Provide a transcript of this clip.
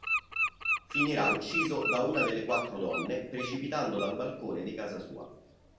Finirà ucciso da una delle quattro donne precipitando dal balcone di casa sua.